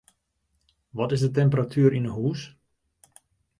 Wat is de temperatuer yn 'e hûs?